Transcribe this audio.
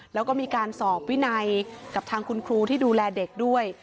แล้วก็มีการสอบวินัยกับทางคุณครูที่ดูแลเด็กด้วย